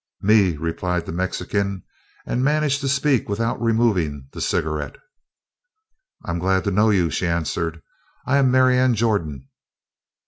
"Me," replied the Mexican, and managed to speak without removing the cigarette. "I'm glad to know you." she answered. "I am Marianne Jordan."